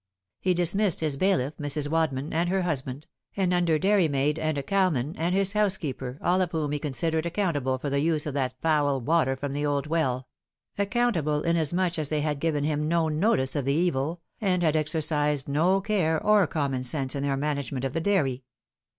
He dismissed his bailiff, Mrs. "Wadman and her husband, an under dairymaid and a cowman, and his housekeeper, all of whom he considered accountable for the use of that foul water from the old well accountable, inasmuch as they had given him no notice of the evil, and had exercised no care or common sense in their management of the dairy.